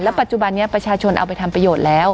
ปัจจุบันนี้ประชาชนเอาไปทำประโยชน์แล้ว